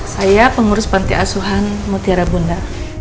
saya pengurus panti asuhan mutiara bunda